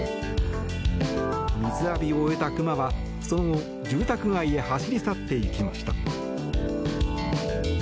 水浴びを終えた熊は、その後住宅街へ走り去っていきました。